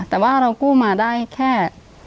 แต่ว่าเรากู้มาได้แค่